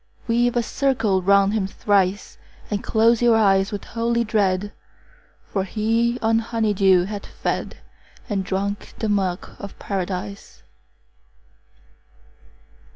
50 Weave a circle round him thrice, And close your eyes with holy dread, For he on honey dew hath fed, And drunk the milk of Paradise.